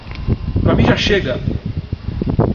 Para mim já chega!